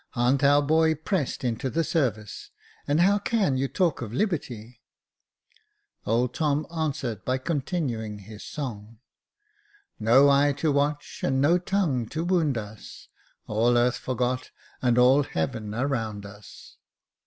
" A'n't our boy pressed into the service ? And how can you talk of liberty ?" Old Tom answered by continuing his song —" No eye to watch, and no tongue to wound us ; All earth forgot, and all heaven around us."